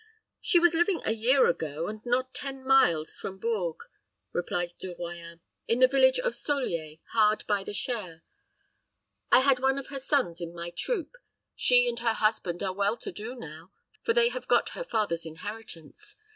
"She was living a year ago, and not ten miles from Bourges," replied De Royans. "In the village of Solier, hard by the Cher. I had one of her sons in my troop. She and her husband are well to do now, for they have got her father's inheritance.